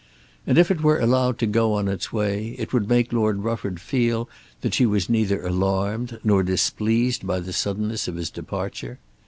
And if it were allowed to go on its way it would make Lord Rufford feel that she was neither alarmed nor displeased by the suddenness of his departure.